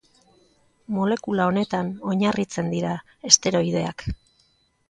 Molekula honetan oinarritzen dira esteroideak.